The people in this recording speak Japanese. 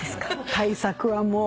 対策はもう。